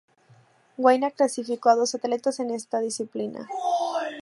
Guyana clasificó a dos atletas en esta disciplina.